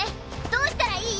どうしたらいい？